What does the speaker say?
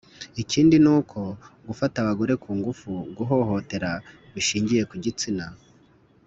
ikindi ni uko, gufata abagore ku ngufu, guhohotera bishingiye ku gitsina,